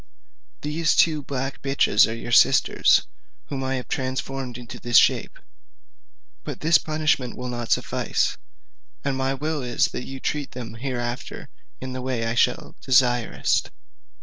"These two black bitches are your sisters, whom I have transformed into this shape. But this punishment will not suffice; and my will is that you treat them hereafter in the way I shall direst."